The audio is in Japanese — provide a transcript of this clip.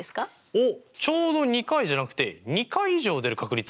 おっちょうど２回じゃなくて２回以上出る確率！